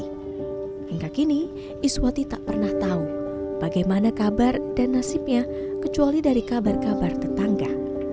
hingga kini iswati tak pernah tahu bagaimana kabar dan nasibnya kecuali dari kabar kabar tetangga